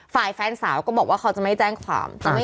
ฝ่ายแฟนสาวก็บอกว่าเขาจะไม่แจ้งความ